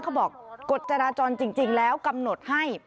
บอกกฎจราจรจริงแล้วกำหนดให้